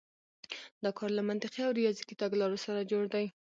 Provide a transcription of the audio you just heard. دا کار له منطقي او ریاضیکي تګلارو سره جوړ دی.